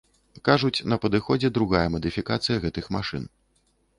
Кажуць, на падыходзе другая мадыфікацыя гэтых машын.